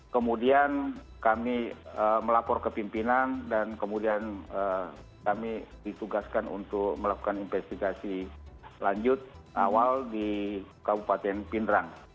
kemudian kami melapor ke pimpinan dan kemudian kami ditugaskan untuk melakukan investigasi lanjut awal di kabupaten pindrang